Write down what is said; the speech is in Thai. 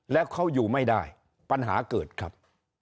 แล้วเขาอยู่ไม่ได้ปัญหาเกิดครับ